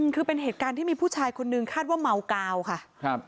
คือเป็นเหตุการณ์ที่มีผู้ชายคนนึงคาดว่าเมากาวค่ะครับ